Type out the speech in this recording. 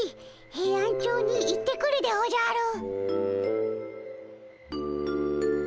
ヘイアンチョウに行ってくるでおじゃる。